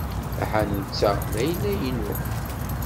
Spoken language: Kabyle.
Taḥanut-a d ayla-inu.